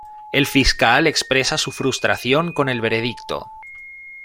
El fiscal expresa su frustración con el veredicto.